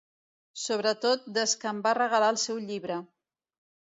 Sobretot des que em va regalar el seu llibre.